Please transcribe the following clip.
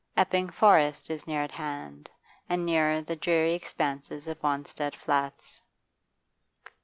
Epping Forest is near at hand, and nearer the dreary expanse of Wanstead Flats.